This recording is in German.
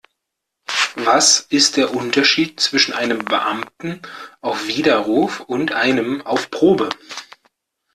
Was ist der Unterschied zwischen einem Beamten auf Widerruf und einem auf Probe?